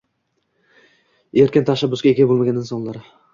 erkin tashabbusga ega bo‘lmagan insonlar.